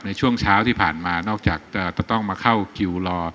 ในช่วงเช้าที่ผ่านมานอกจากจะต้องมาเข้าคิวรอ